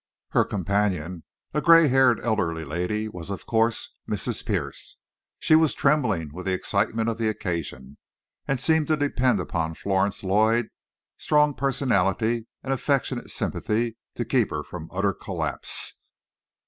Her companion, a gray haired, elderly lady, was, of course, Mrs. Pierce. She was trembling with the excitement of the occasion, and seemed to depend on Florence Lloyd's strong personality and affectionate sympathy to keep her from utter collapse.